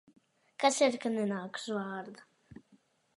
Kas ir, ka nenāk uz vārda?